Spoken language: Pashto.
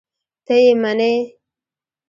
ته یې منې؟!